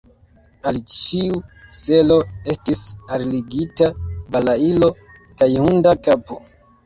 Al ĉiu selo estis alligita balailo kaj hunda kapo.